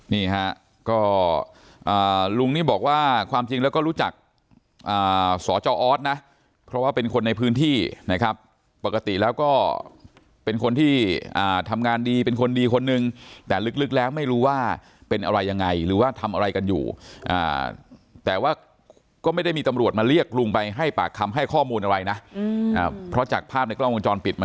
นี่ฮะก็ลุงนี่บอกว่าความจริงแล้วก็รู้จักสจออสนะเพราะว่าเป็นคนในพื้นที่นะครับปกติแล้วก็เป็นคนที่ทำงานดีเป็นคนดีคนนึงแต่ลึกแล้วไม่รู้ว่าเป็นอะไรยังไงหรือว่าทำอะไรกันอยู่แต่ว่าก็ไม่ได้มีตำรวจมาเรียกลุงไปให้ปากคำให้ข้อมูลอะไรนะเพราะจากภาพในกล้องวงจรปิดมา